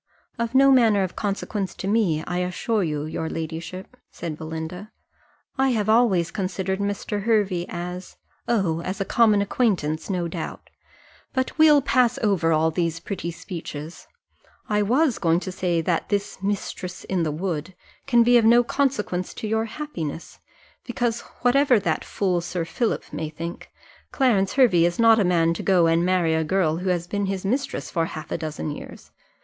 "Of no manner of consequence to me, I assure your ladyship," said Belinda; "I have always considered Mr. Hervey as " "Oh, as a common acquaintance, no doubt but we'll pass over all those pretty speeches: I was going to say that this 'mistress in the wood' can be of no consequence to your happiness, because, whatever that fool Sir Philip may think, Clarence Hervey is not a man to go and marry a girl who has been his mistress for half a dozen years.